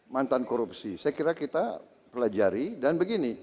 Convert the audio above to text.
mantan korupsi saya kira kita pelajari dan begini